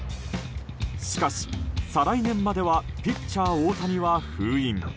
しかし、再来年まではピッチャー大谷は封印。